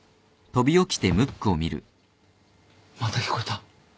また聞こえた。